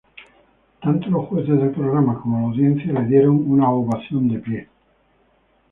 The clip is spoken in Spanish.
Tanto los jueces del programa como la audiencia le dieron una ovación de pie.